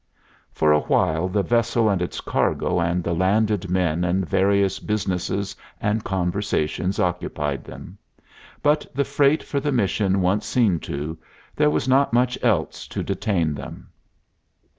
For a while the vessel and its cargo and the landed men and various business and conversations occupied them. But the freight for the mission once seen to, there was not much else to detain them.